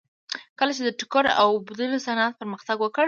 کله چې د ټوکر اوبدلو صنعت پرمختګ وکړ